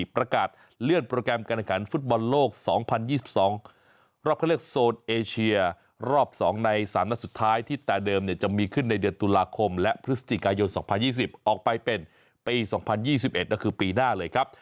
ประกาศเลื่อนโปรแกรมการขันฟุตบอลโลก๒๐๒๒รอบเข้าเลือกโซนเอเชียรอบ๒ใน๓นัดสุดท้ายที่แต่เดิมจะมีขึ้นในเดือนตุลาคมและพฤศจิกายน๒๐๒๐ออกไปเป็นปี๒๐๒๑ก็คือปีหน้าเลยครับ